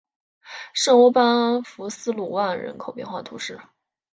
圣欧班福斯卢万人口变化图示